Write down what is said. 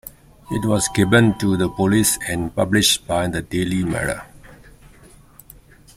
It was given to the police and published by the "Daily Mirror".